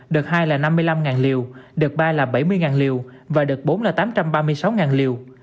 đợt hai là năm mươi năm liều đợt ba là bảy mươi liều và đợt bốn là tám trăm ba mươi sáu liều